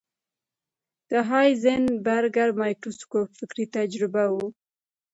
د هایزنبرګر مایکروسکوپ فکري تجربه وه.